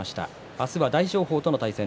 明日は大翔鵬との対戦。